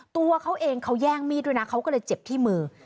ตัวเขาเองเขาแย่งมีดด้วยนะเขาก็เลยเจ็บที่มือ